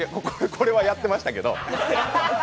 これはやってたけど。